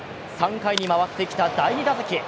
３回に回ってきた第２打席。